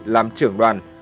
làm trưởng đoàn